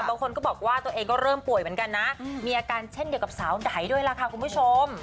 บางคนก็บอกว่าตัวเองก็เริ่มป่วยเหมือนกันนะมีอาการเช่นเดียวกับสาวไดด้วยล่ะค่ะคุณผู้ชม